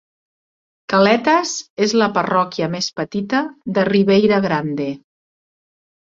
Calhetas és la parròquia més petita de Ribeira Grande.